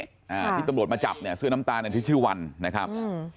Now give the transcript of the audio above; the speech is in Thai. ที่ตำรวจมาจับเนี่ยซื้อน้ำตาลที่ชื่อวันนะครับ